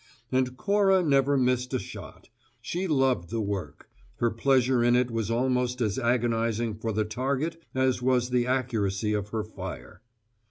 And Cora never missed a shot; she loved the work; her pleasure in it was almost as agonizing for the target as was the accuracy of her fire.